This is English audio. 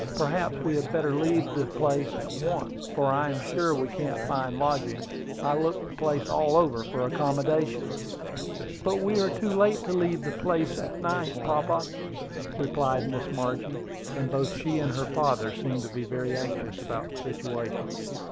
Perhaps we had better leave the place at once, for I am sure we can't find lodgings. I looked the place all over for accommodations." "But we are too late to leave the place to night, papa," replied Miss Margie, and both she and her father seemed to be very anxious about the situation.